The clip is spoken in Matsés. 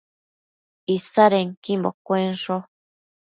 Isannequimbo cuensho